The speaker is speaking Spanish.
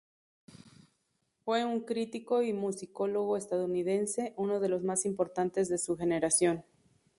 Fue un crítico y musicólogo estadounidense, uno de los más importantes de su generación.